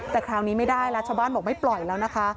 แต่คราวนี้ไม่ได้แล้วชาวบ้านบอกไม่ปล่อยแล้วนะคะ